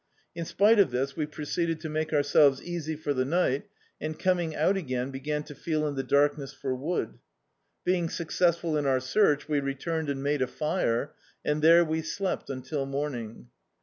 In spite of this we pro ceeded to make ourselves easy for the ni^t, and coming out again began to feel in the darkness for wood Being successful in our search we returned and made a fire, and there we slept until morning.